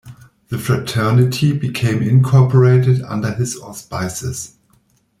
The fraternity became incorporated under his auspices.